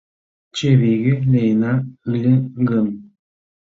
Чывиге лийына ыле гын